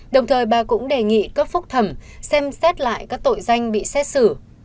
đồng thời bà cũng đề nghị cấp phúc thẩm xem xét lại các tội danh bị xét xử